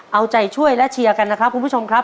เอาใจช่วยและเชียร์กันนะครับคุณผู้ชมครับ